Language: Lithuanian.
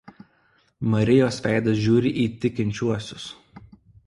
Marijos veidas žiūri į tikinčiuosius.